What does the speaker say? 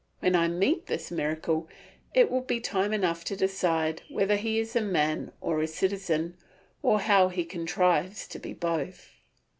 When I meet this miracle it will be time enough to decide whether he is a man or a citizen, or how he contrives to be both.